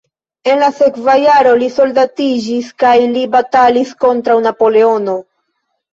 En la sekva jaro li soldatiĝis kaj li batalis kontraŭ Napoleono.